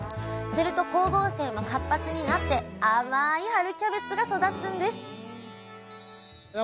すると光合成も活発になって甘い春キャベツが育つんです